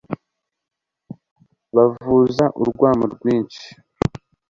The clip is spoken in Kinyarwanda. bavuza urwamo rwinshi